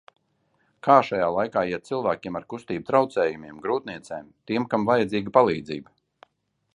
Kā šajā laikā iet cilvēkiem ar kustību traucējumiem, grūtniecēm, tiem, kam vajadzīga palīdzība?